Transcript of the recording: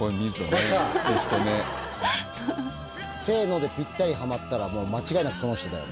これさ「せの」でぴったりはまったらもう間違いなくその人だよね。